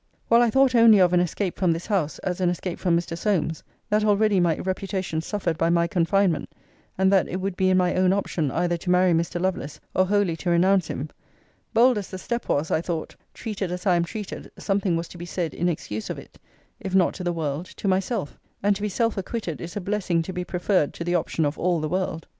While I thought only of an escape from this house as an escape from Mr. Solmes; that already my reputation suffered by my confinement; and that it would be in my own option either to marry Mr. Lovelace, or wholly to renounce him; bold as the step was, I thought, treated as I am treated, something was to be said in excuse of it if not to the world, to myself: and to be self acquitted, is a blessing to be preferred to the option of all the world.